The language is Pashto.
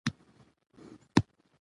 سیاسي بدلون د شعور له زیاتوالي سره راځي